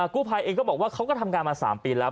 กู้ภัยเองก็บอกว่าเขาก็ทำงานมา๓ปีแล้ว